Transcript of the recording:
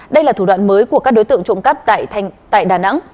đây là thủ đoạn mới của các đối tượng trộm cắp tại đà nẵng